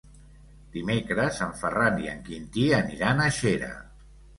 Dimecres en Ferran i en Quintí aniran a Xera.